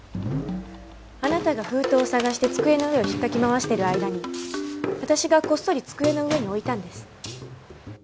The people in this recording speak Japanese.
あなたが封筒を探して机の上を引っかき回してる間に私がこっそり机の上に置いたんです。